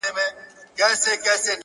که يې منې زيارت ته راسه زما واده دی گلي!!